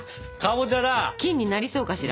金になりそうかしら？